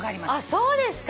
そうですか。